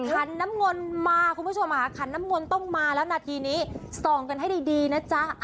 ขันน้ำมนต์มาคุณผู้ชมค่ะขันน้ำมนต์ต้องมาแล้วนาทีนี้ส่องกันให้ดีนะจ๊ะ